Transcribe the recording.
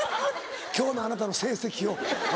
今日のあなたの成績を。